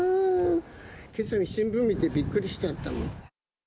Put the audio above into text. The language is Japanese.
けさ、新聞見てびっくりしちゃったもん。